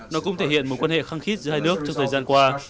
nó cũng thể hiện mối quan hệ khăng khít giữa hai nước trong thời gian qua